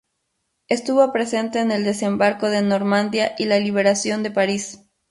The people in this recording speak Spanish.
Estuvo presente en el desembarco de Normandía y la liberación de París.